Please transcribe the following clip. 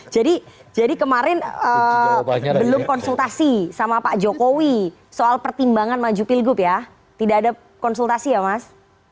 jadi kemarin belum konsultasi sama pak jokowi soal pertimbangan maju pilgub ya tidak ada konsultasi ya mas